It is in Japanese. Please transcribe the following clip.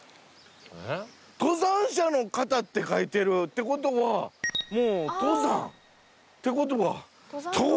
「登山者の方」って書いてる！ってことはもう登山。ってことは。